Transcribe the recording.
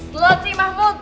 telur sih mahmud